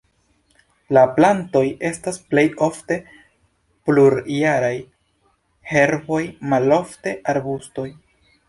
La plantoj estas plej ofte plurjaraj herboj, malofte arbustoj.